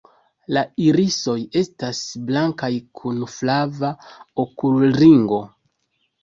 La irisoj estas blankaj kun flava okulringo.